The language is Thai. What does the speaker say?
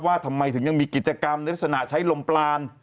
ทำไมถึงยังมีกิจกรรมในลักษณะใช้ลมปลาน